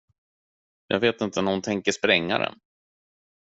Vi vet inte när hon tänker spränga den.